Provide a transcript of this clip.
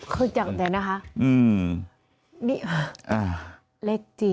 คุณจังใจนะฮะเล็กจริง